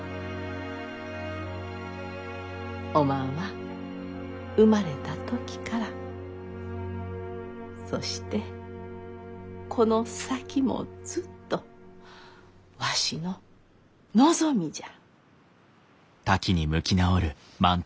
おまんは生まれた時からそしてこの先もずっとわしの希みじゃ。